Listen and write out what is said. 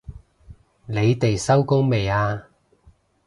你哋收工未啊？